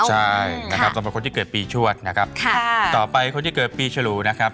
ใช่นะครับสำหรับคนที่เกิดปีชวดนะครับค่ะต่อไปคนที่เกิดปีฉลูนะครับ